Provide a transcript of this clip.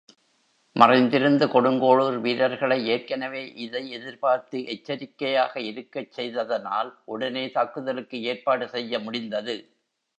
மறைந்திருந்த கொடுங்கோளூர் வீரர்களை ஏற்கெனவே இதை எதிர்பார்த்து எச்சரிக்கையாக இருக்கச் செய்ததனால் உடனே தாக்குதலுக்கு ஏற்பாடு செய்ய முடிந்தது.